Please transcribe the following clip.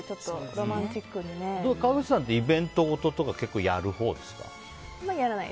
川口さんってイベントごととか結構やるほうですか？